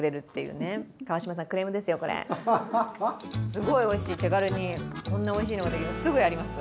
すごいおいしい、手軽にこんなおいしいのができます。